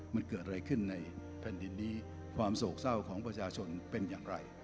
มันเกิดอะไรขึ้นในแผ่นดินนี้ความโศกเศร้าของประชาชนเป็นอย่างไร